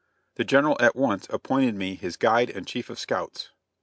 The General at once appointed me his guide and chief of scouts.